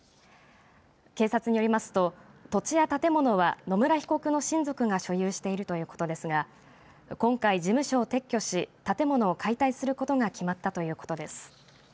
警察によりますと、土地や建物は野村被告の親族が所有しているということですが今回、事務所を撤去し、建物を解体することが決まったということです。